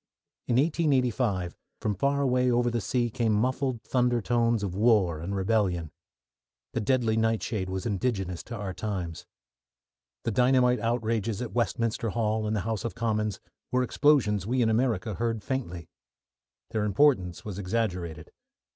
In 1885, from far away over the sea came muffled thunder tones of war and rebellion. The deadly nightshade was indigenous to our times. The dynamite outrages at Westminster Hall and the House of Commons were explosions we in America heard faintly. Their importance was exaggerated.